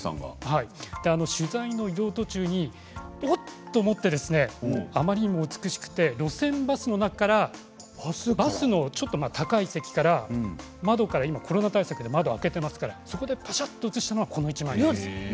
取材の移動途中におっ？と思ってあまりにも美しくて路線バスの中からバスのちょっと高い席から窓からコロナ対策で今、窓を開けていますからそこでパシャっと写したのがこの１枚。